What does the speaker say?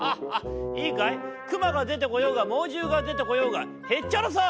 いいかいクマがでてこようがもうじゅうがでてこようがへっちゃらさ！」。